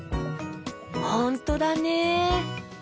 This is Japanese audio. ほんとだね。